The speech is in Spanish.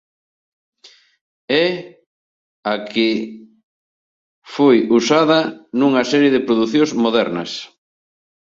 Es la que ha sido usada en una serie de producciones modernas.